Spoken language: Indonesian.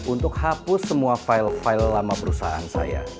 untuk hapus semua file file lama perusahaan saya